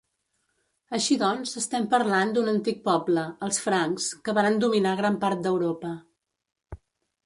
Així doncs estem parlant, d'un antic poble, els francs, que varen dominar gran part d'Europa.